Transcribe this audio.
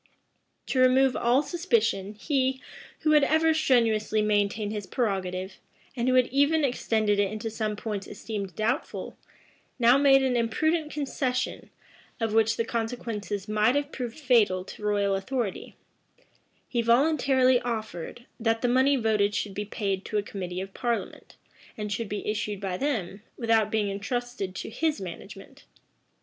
To remove all suspicion, he, who had ever strenuously maintained his prerogative, and who had even extended it into some points esteemed doubtful, now made an imprudent concession, of which the consequences might have proved fatal to royal authority; he voluntarily offered, that the money voted should be paid to a committee of parliament, and should be issued by them, without being intrusted to his management.